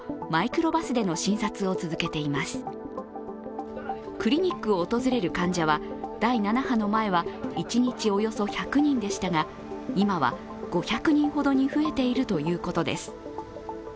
クリニックを訪れる患者は、第７波の前は一日およそ１００人でしたが今は５００人ほどに増えているということです。